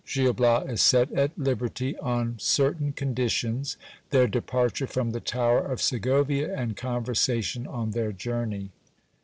Gil Bias is set at liberty on cer tain conditions. Their departure from the tower of Segovia, and conversation on their journey.